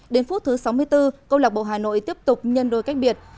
đến phút thứ sáu mươi bốn công lạc bộ hà nội tiếp tục nhân đôi cách biệt